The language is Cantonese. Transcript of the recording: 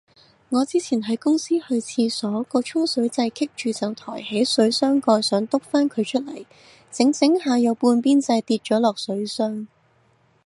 我之前喺公司去廁所，個沖水掣棘住就抬起水箱蓋想篤返佢出嚟，整整下有半邊掣跌咗落水箱